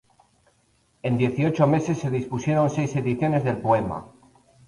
En dieciocho meses se dispusieron seis ediciones del poema.